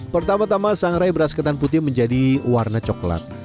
pertama tama sangrai beras ketan putih menjadi warna coklat